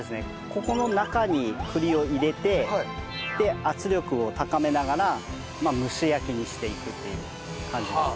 ここの中に栗を入れて圧力を高めながら蒸し焼きにしていくっていう感じですね。